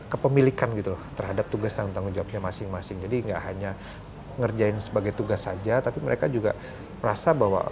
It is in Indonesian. kepemilikan gitu terhadap tugas tanggung jawabnya masing masing jadi enggak hanya ngerjain sebagai tugas saja tapi mereka juga merasa bahwa